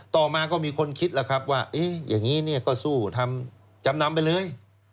ต่อมาก็มีคนคิดว่าอย่างนี้ก็สู้ทำจำนำไปเลย